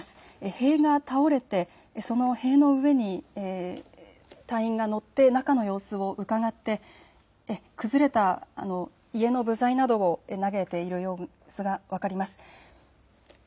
塀が倒れて、その塀の上に隊員が乗って中の様子をうかがって崩れた家の部材などを投げている様子が分かります。